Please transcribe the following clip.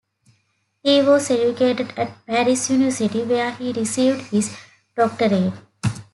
He was educated at Paris University, where he received his doctorate.